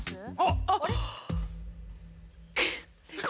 あっあっ！